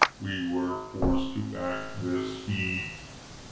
We were forced to act with speed.